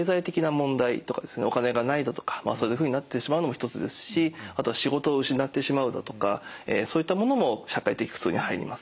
お金がないだとかそういうふうになってしまうのも一つですしあと仕事を失ってしまうだとかそういったものも社会的苦痛に入ります。